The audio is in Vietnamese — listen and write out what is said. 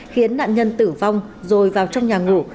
khiến nạn nhân tử vong rồi vào trong nhà ngủ